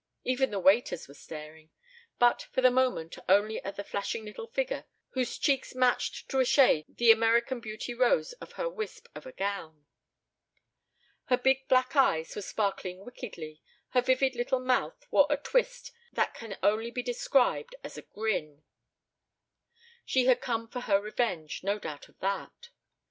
Even the waiters were staring, but for the moment only at the flashing little figure whose cheeks matched to a shade the American Beauty rose of her wisp of a gown. Her big black eyes were sparkling wickedly, her vivid little mouth wore a twist that can only be described as a grin. She had come for her revenge. No doubt of that.